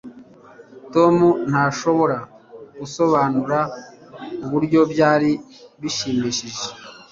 Tom ntashobora gusobanura uburyo byari bishimishije